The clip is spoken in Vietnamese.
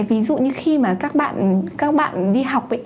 ví dụ như khi các bạn đi học